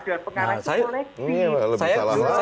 dewan pengarah kolektif